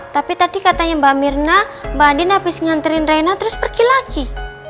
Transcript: tapi tadi katanya mbak mirna mbak din abis nganterin reina terus pergi lagi